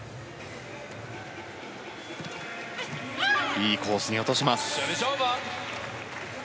いいコースに落としました。